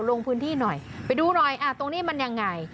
ลงพื้นที่หน่อยไปดูหน่อยตรงนี้มันยังไง